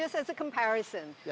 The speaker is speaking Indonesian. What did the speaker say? hanya sebagai perbandingan